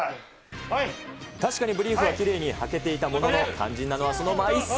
確かにブリーフはきれいにはけていたものの、肝心なのはその枚数。